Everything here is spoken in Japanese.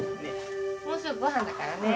もうすぐご飯だからね。